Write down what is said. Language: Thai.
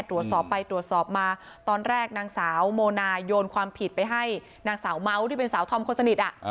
ตรวจสอบไปตรวจสอบมาตอนแรกนางสาวโมนายโยนความผิดไปให้นางสาวเมาส์ที่เป็นสาวธอมคนสนิท